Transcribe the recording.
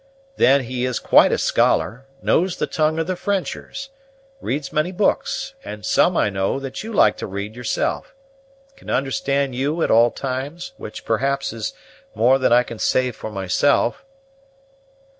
Then he is quite a scholar, knows the tongue of the Frenchers, reads many books, and some, I know, that you like to read yourself, can understand you at all times, which, perhaps, is more than I can say for myself."